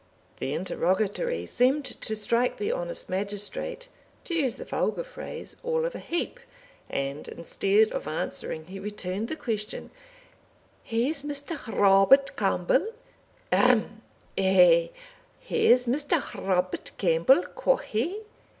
The interrogatory seemed to strike the honest magistrate, to use the vulgar phrase, "all of a heap," and instead of answering, he returned the question "Whae's Mr. Robert Campbell? ahem! ahay! Whae's Mr. Robert Campbell, quo' he?"